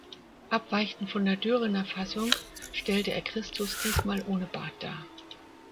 Abweichend von der Dürener Fassung stellte er Christus diesmal ohne Bart dar.